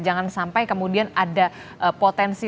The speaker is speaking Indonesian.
jangan sampai kemudian ada potensi